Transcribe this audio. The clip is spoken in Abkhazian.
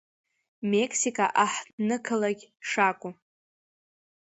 Мексика аҳҭнықалақь шакәу.